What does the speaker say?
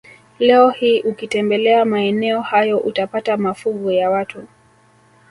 Leo hii ukitembelea maeneo hayo utapata mafuvu ya watu